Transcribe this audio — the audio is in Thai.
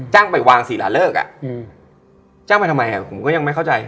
จ้างไปวางสี่หลานเลิกอ่ะอืมจ้างไปทำไมอ่ะผมก็ยังไม่เข้าใจ